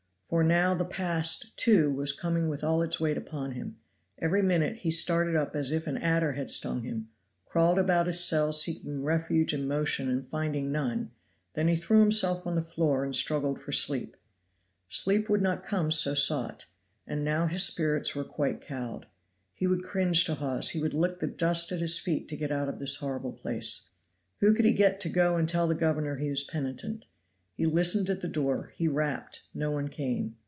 For now the past, too, was coming with all its weight upon him; every minute he started up as if an adder had stung him; crawled about his cell seeking refuge in motion and finding none; then he threw himself on the floor and struggled for sleep. Sleep would not come so sought; and now his spirits were quite cowed. He would cringe to Hawes; he would lick the dust at his feet to get out of this horrible place; who could he get to go and tell the governor he was penitent. He listened at the door; he rapped; no one came.